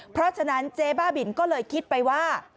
เพราะฉะนั้นเจ๊บ้าบินก็เลยคิดไปว่า